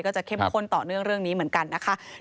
จะเข้มข้นต่อเนื่องเรื่องนี้เหมือนกันนะคะ